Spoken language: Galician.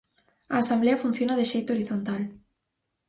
A asemblea funciona de xeito horizontal.